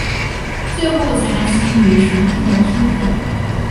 最后才给予神父的身分。